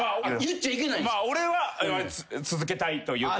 俺は続けたいというか。